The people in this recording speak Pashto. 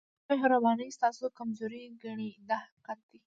ستا مهرباني ستاسو کمزوري ګڼي دا حقیقت دی.